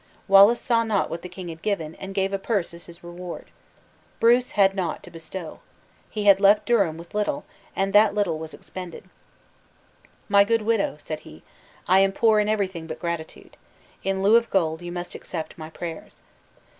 Wallace saw not what the king had given and gave a purse as his reward. Bruce had naught to bestow. He had left Durham with little, and that little was expended. "My good widow," said he, "I am poor in everything but gratitude. In lieu of gold you must accept my prayers."